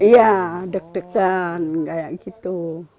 iya deg degan kayak gitu